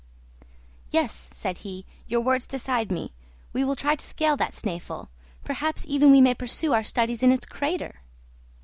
"Yes," said he, "your words decide me. We will try to scale that Snæfell; perhaps even we may pursue our studies in its crater!"